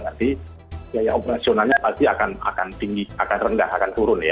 jadi operasionalnya pasti akan rendah akan turun ya